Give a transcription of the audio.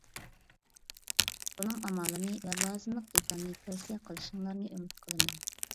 بۇنىڭ ئامالىنى ۋە لازىملىق دېتالنى تەۋسىيە قىلىشىڭلارنى ئۈمىد قىلىمەن.